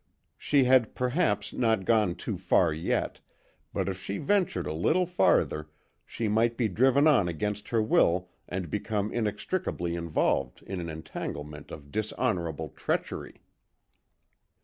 She had perhaps, not gone too far yet, but if she ventured a little farther, she might be driven on against her will and become inextricably involved in an entanglement of dishonourable treachery.